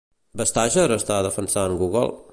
Vestager està defensant Google?